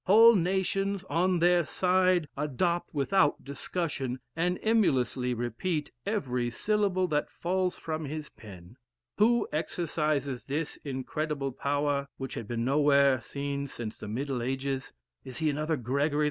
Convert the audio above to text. Whole nations, on their side, adopt without discussion, and emulously repeat, every syllable that falls from his pen. Who exercises this incredible power, which had been nowhere seen since the middle ages? Is he another Gregory II.?